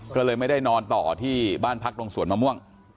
ก็เลยไม่ได้นอนต่อที่บ้านพักตรงสวนมะม่วง